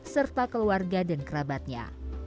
serta keluarga dan kerabatnya